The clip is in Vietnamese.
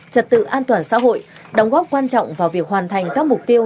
trật tự an toàn xã hội đóng góp quan trọng vào việc hoàn thành các mục tiêu